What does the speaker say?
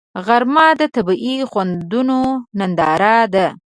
غرمه د طبیعي خوندونو ننداره ده